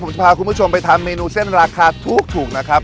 ผมจะพาคุณผู้ชมไปทำเมนูเส้นราคาถูกนะครับ